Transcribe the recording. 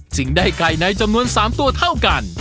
ได้ไข่ในจำนวน๓ตัวเท่ากัน